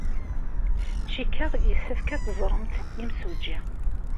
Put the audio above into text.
Cikkeɣ yessefk ad teẓremt imsujji.